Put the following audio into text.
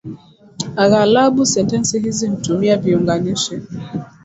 Aghalabu sentensi hizi hutumia viunganishi